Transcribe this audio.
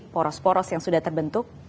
poros poros yang sudah terbentuk